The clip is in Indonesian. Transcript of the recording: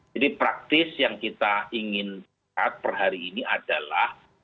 jadi praktis yang kita ingin lihat per hari ini adalah